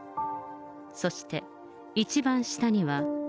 そして一番下には。